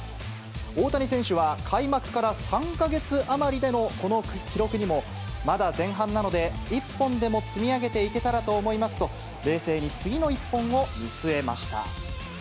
大谷選手は開幕から３か月余りでのこの記録にも、まだ前半なので、一本でも積み上げていけたらと思いますと、冷静に次の一本を見据えました。